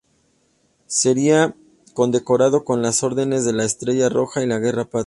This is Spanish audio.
Sería condecorado con las órdenes de la Estrella Roja y la Guerra Patria.